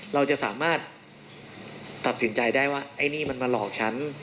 เราจะสามารถตัดสินใจได้ว่าไอ้นี่มันมาหลอกฉัน